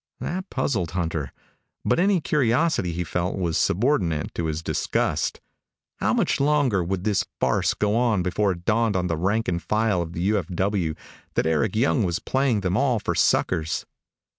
That puzzled Hunter, but any curiosity he felt was subordinate to his disgust. How much longer would this farce go on before it dawned on the rank and file of the U.F.W. that Eric Young was playing them all for suckers?